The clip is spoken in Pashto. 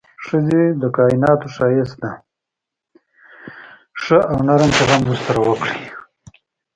ښځې د کائناتو ښايست ده، ښه او نرم چلند ورسره وکړئ.